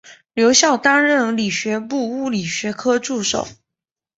留校担任理学部物理学科助手。